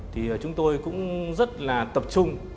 thì chúng tôi có thể tìm hiểu được các đối tượng của ban chuyên án